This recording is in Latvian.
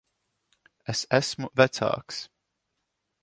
Es esmu vecāks.